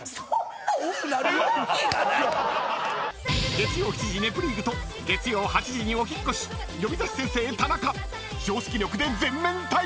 ［月曜７時『ネプリーグ』と月曜８時にお引っ越し『呼び出し先生タナカ』］